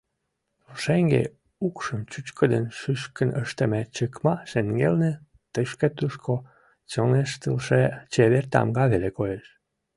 Пушеҥге укшым чӱчкыдын шӱшкын ыштыме чыкма шеҥгелне тышке-тушко «чоҥештылше» чевер тамга веле коеш.